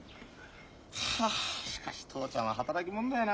はあしかし父ちゃんは働きもんだよな。